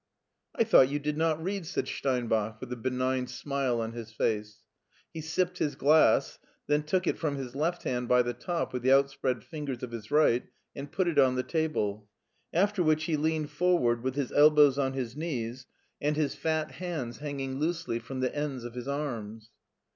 '"" I thought you did hot read ?" said Steinbach with a benign smile on his face. He sipped his cflass. then took it from his left hand bv the top with the outspread fingers of his right and put it on the table, after which he leaned forward with his elbows on his knees and his no MARTIN SCHULER fat hands hanging loosely from the ends of his arms.